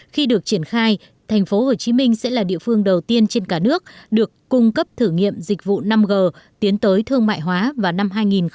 khi được triển khai thành phố hồ chí minh sẽ là địa phương đầu tiên trên cả nước được cung cấp thử nghiệm dịch vụ năm g tiến tới thương mại hóa vào năm hai nghìn hai mươi